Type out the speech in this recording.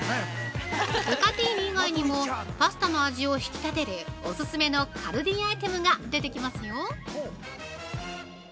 ブカティーニ以外にもパスタの味を引き立てるお勧めのカルディアイテムが出てきますよ。